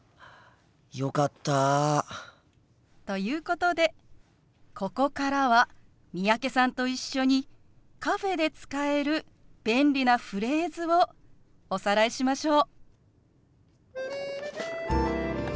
よかった。ということでここからは三宅さんと一緒にカフェで使える便利なフレーズをおさらいしましょう。